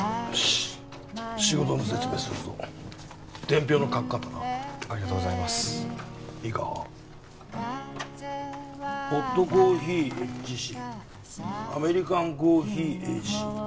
しっ仕事の説明するぞ伝票の書き方なありがとうございますいいかホットコーヒーＨＣアメリカンコーヒーＡＣ